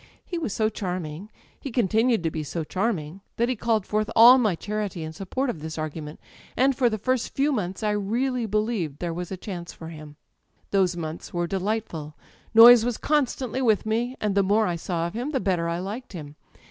He was so charming â€" he continued to be so charming â€" ^that he called forth all my charity in support of this argument; and for the first few months 1 really believed there was a chance for him ... "Those months were delightful. Noyes was constantly with me, and the more I saw of him the better I liked him.